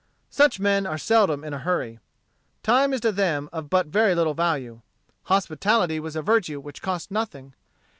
Such men are seldom in a hurry. Time is to them of but very little value. Hospitality was a virtue which cost nothing.